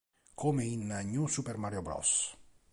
Come in New Super Mario Bros.